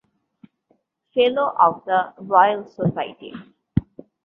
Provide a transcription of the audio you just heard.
fellow of the Royal society